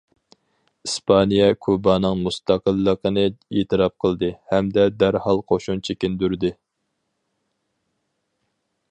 ئىسپانىيە كۇبانىڭ مۇستەقىللىقىنى ئېتىراپ قىلدى ھەمدە دەرھال قوشۇن چېكىندۈردى.